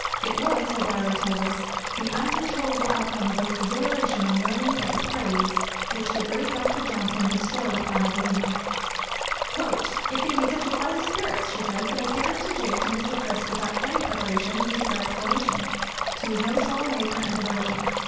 It was, her diary tells us, the uncontrollable outcome of her exhilaration on learning of the praise which the great Dr. Johnson bestowed on Evelina. 'It gave me such a flight of spirits,' she says, 'that I danced a jig to Mr. Crisp, without any preparation, music, or explanation, to his no small amazement and diversion.'